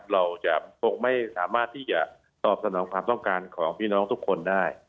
เราจะคงไม่สามารถที่จะตอบสนองความต้องการของพี่น้องทุกคนได้